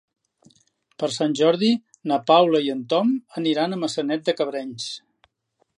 Per Sant Jordi na Paula i en Tom aniran a Maçanet de Cabrenys.